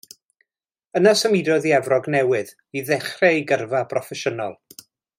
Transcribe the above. Yna symudodd i Efrog Newydd i ddechrau ei gyrfa broffesiynol.